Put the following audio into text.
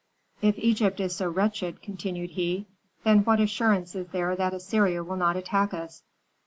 "If Egypt is so wretched," continued he, "then what assurance is there that Assyria will not attack us?"